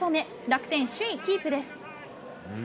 楽天、首位キープです。